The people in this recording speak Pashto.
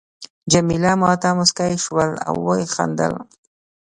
جميله ما ته مسکی شول او وخندل.